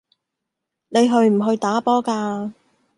你去唔去打波㗎